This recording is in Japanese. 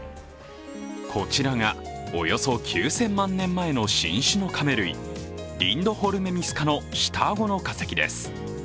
こちらがおよそ９０００万年前の新種のカメ類、リンドホルメミス科の下顎の化石です。